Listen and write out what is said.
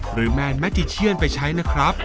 แมนแมจิเชียนไปใช้นะครับ